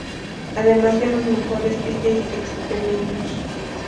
Además de los mejores djs extremeños.